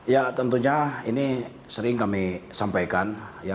ya tentunya ini sering kami sampaikan